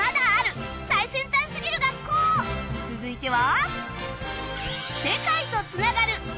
続いては